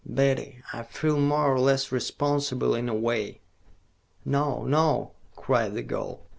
"Betty, I feel more or less responsible, in a way." "No, no," cried the girl.